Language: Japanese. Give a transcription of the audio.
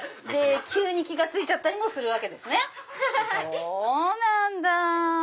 そうなんだ。